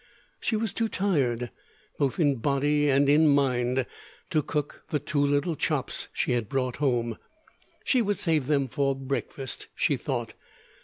She was too tired, both in body and in mind, to cook the two little chops she had brought home. She would save them for breakfast, she thought.